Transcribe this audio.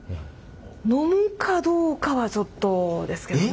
飲むかどうかはちょっとですけどね。